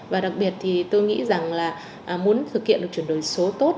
và đặc biệt thì tôi nghĩ rằng là muốn thực hiện được chuyển đổi số tốt